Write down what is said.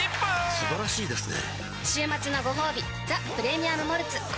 素晴らしいですね